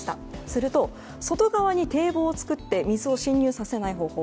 すると、外側に堤防を作って水を侵入させない方法